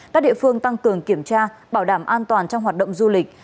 các địa phương tăng cường kiểm tra bảo đảm an toàn trong hoạt động du lịch